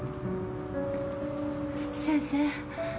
先生。